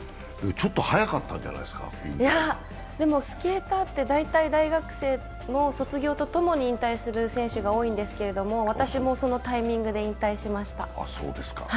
スケーターって大学生の卒業と共に引退する選手が多いんですけれども、私もそのタイミングで引退しました。